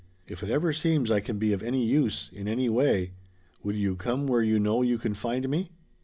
If it ever seems I can be of any use in any way will you come where you know you can find me?"